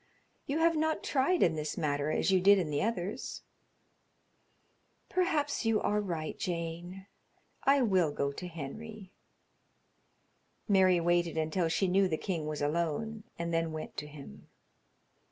You have not tried in this matter as you did in the others." "Perhaps you are right, Jane. I will go to Henry." Mary waited until she knew the king was alone, and then went to him.